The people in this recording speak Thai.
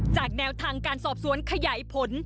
แนวทางการสอบสวนขยายผล